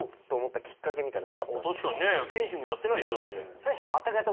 確かにねフェンシングやってないでしょ？